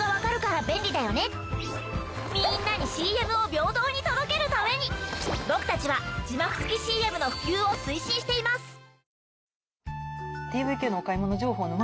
みんなにＣＭを平等に届けるために僕たちは字幕付きＣＭの普及を推進しています。